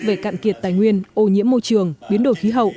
về cạn kiệt tài nguyên ô nhiễm môi trường biến đổi khí hậu